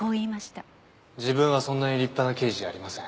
自分はそんなに立派な刑事じゃありません。